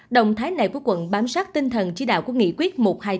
động thái này của quận bám sát tinh thần chỉ đạo của nghị quyết